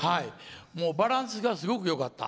バランスがすごくよかった。